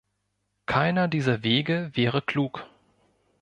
Keiner dieser Wege wäre klug.